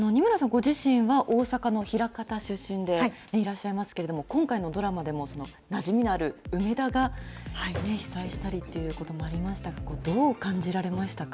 ご自身は大阪のひらかた出身でいらっしゃいますけれども、今回のドラマでもなじみのある梅田が被災したりっていうこともありましたが、どう感じられましたか。